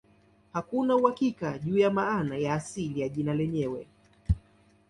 Hakuna uhakika juu ya maana ya asili ya jina lenyewe.